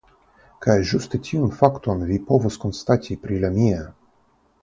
Kaj ĝuste tiun fakton vi povus konstati pri la mia.